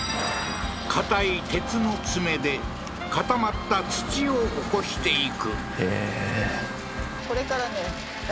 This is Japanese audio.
硬い鉄の爪で固まった土を起こしていくええー